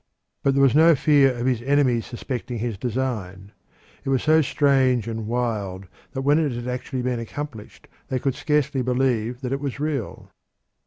But there was no fear of his enemies suspecting his design. It was so strange and wild that when it had been actually accomplished they could scarcely believe that it was real.